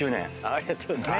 ありがとうございます。